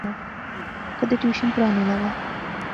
کیدے ٹیوشن پڑھانے لاغا